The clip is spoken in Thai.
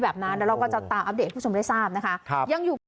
แล้วเราก็จะตามอัปเดตให้คุณผู้ชมได้ทราบ